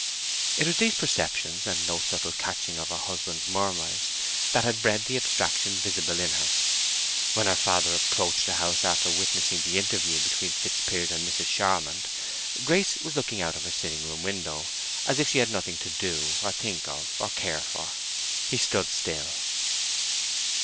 It was these perceptions, and no subtle catching of her husband's murmurs, that had bred the abstraction visible in her. When her father approached the house after witnessing the interview between Fitzpiers and Mrs. Charmond, Grace was looking out of her sitting room window, as if she had nothing to do, or think of, or care for. He stood still.